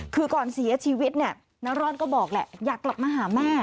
คือก่อนเสียชีวิตเนี่ยนร่อนก็บอกแหละอยากกลับมาหาแม่